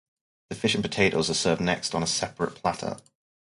The fish and potatoes are served next on a separate platter.